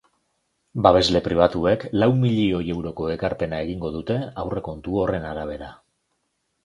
Babesle pribatuek lau milioi euroko ekarpena egingo dute, aurrekontu horren arabera.